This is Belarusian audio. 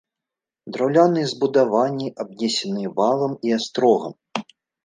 Драўляныя збудаванні абнесеныя валам і астрогам.